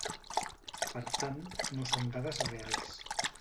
Per tant, no són dades reals.